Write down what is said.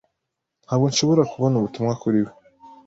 Ntabwo nshobora kubona ubutumwa kuri we.